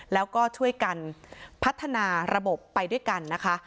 แล้วก็ช่วยกันพัฒนาระบบไปด้วยกันนะคะ